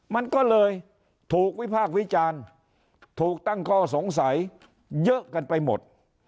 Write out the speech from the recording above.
มันก็เลยถูกวิพากษ์วิจารณ์ถูกตั้งข้อสงสัยเยอะกันไปหมด